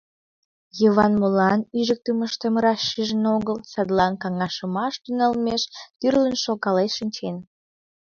Йыван молан ӱжыктымыштым раш шижын огыл, садлан, каҥашымаш тӱҥалмеш, тӱрлын шонкален шинчен.